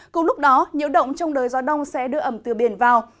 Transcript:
cùng lúc đó nhiễu động trong đời gió đông sẽ đưa ẩm từ biển vào